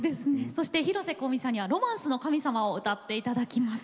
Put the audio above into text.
そして広瀬香美さんには「ロマンスの神様」を歌っていただきます。